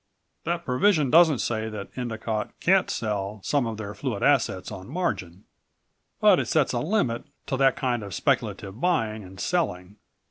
"That provision doesn't say that Endicott can't sell some of their fluid assets on margin. But it sets a limit to that kind of speculative buying and selling.